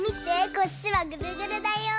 こっちはぐるぐるだよ。